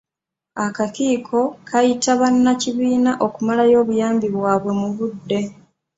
Akakiiko kayita bannakibiina okumalayo obuyambi bwabwe mu budde.